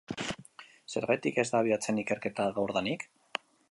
Zergatik ez da abiatzen ikerketa gaurdanik?